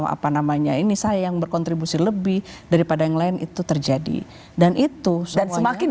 apa namanya ini saya yang berkontribusi lebih daripada yang lain itu terjadi dan itu semakin